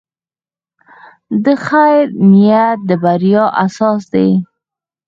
د خیر نیت د بریا اساس دی.